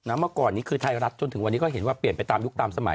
เมื่อก่อนนี้คือไทยรัฐจนถึงวันนี้ก็เห็นว่าเปลี่ยนไปตามยุคตามสมัย